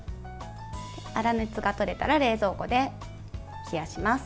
粗熱が取れたら冷蔵庫で冷やします。